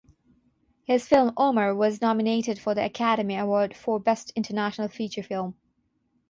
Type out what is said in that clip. His film Omar was nominated for the Academy Award for Best International Feature Film.